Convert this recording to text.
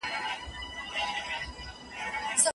د انتيکو بازار ډېر قيمت ورکوي.